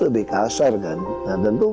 lebih kasar kan nah tentu